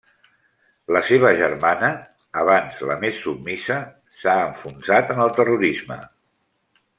La seva germana, abans la més submisa, s'ha enfonsat en el terrorisme.